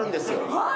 はい！